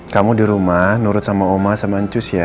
kamu di rumah nurut sama oma sama cus ya